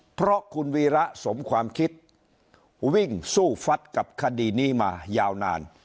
เพราะคุณวีระสมความคิดวิ่งสู้ฟัดกับคดีนี้มายาวนาน